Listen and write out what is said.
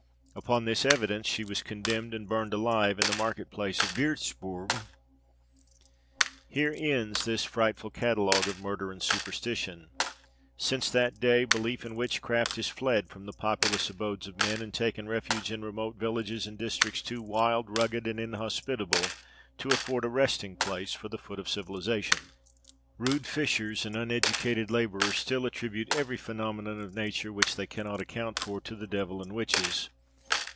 Upon this evidence she was condemned, and burned alive in the market place of Würzburg. Here ends this frightful catalogue of murder and superstition. Since that day, the belief in witchcraft has fled from the populous abodes of men, and taken refuge in remote villages and districts too wild, rugged, and inhospitable to afford a resting place for the foot of civilisation. Rude fishers and uneducated labourers still attribute every phenomenon of nature which they cannot account for, to the devil and witches.